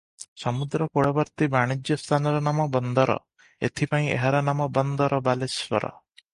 ସମୁଦ୍ର କୂଳବର୍ତ୍ତୀ ବାଣିଜ୍ୟ ସ୍ଥାନର ନାମ ବନ୍ଦର, ଏଥିପାଇଁ ଏହାର ନାମ ବନ୍ଦର ବାଲେଶ୍ୱର ।